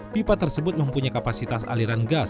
pipa tersebut mempunyai kapasitas aliran gas